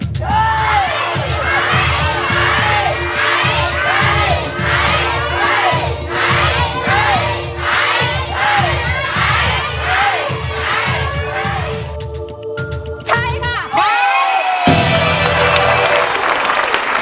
ใช้